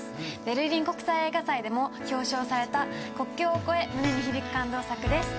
ベルリン国際映画祭でも表彰された国境を越え胸に響く感動作です